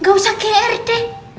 gak usah gr deh